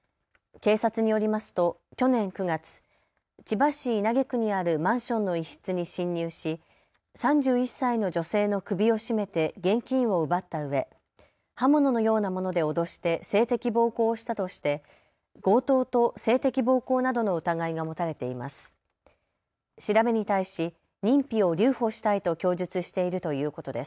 警察によりますと去年９月、千葉市稲毛区にあるマンションの一室に侵入し３１歳の女性の首を絞めて現金を奪ったうえ刃物のようなもので脅して性的暴行をしたとして強盗と性的暴行などの疑いが持たれています。